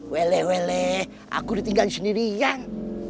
weleh weleh aku ditinggalin sendirian